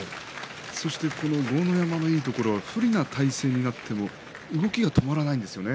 そして豪ノ山のいいところは不利な体勢になっても動きが止まりません。